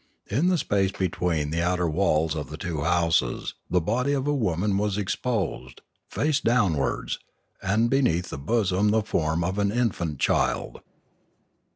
In the space between the outer walls of two houses the body of a woman was exposed, face downwards, and beneath the bosom the form of an infant child.